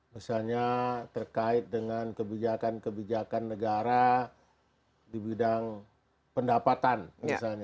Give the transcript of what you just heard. misalnya terkait dengan kebijakan kebijakan negara di bidang pendapatan misalnya